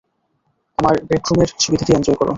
আমার ব্রেক রুমের সুবিধাদি এনজয় কর।